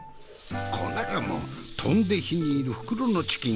こうなりゃもう飛んで火に入る袋のチキン。